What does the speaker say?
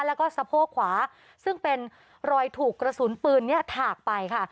แล้วก็สะโพกขวาซึ่งเป็นรอยถูกกระสุนปืนนี้ถากไปค่ะ